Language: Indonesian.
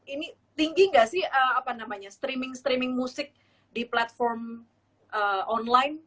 ini tinggi nggak sih streaming streaming musik di platform online